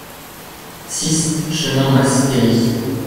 six chemin Masckeri